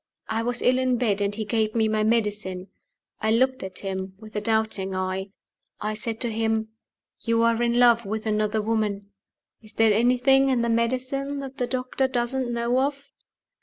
I was ill in bed, and he gave me my medicine. I looked at him with a doubting eye. I said to him, "You are in love with another woman. Is there anything in the medicine that the doctor doesn't know of?"